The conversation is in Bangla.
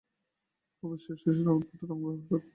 অবশ্যি শিশুরা অদ্ভুত রঙ ব্যবহার করতে ভালবাসে।